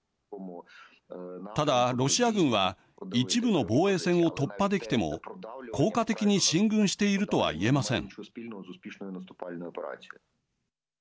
ただロシア軍は一部の防衛線を突破できても効果的に進軍しているとは言えません。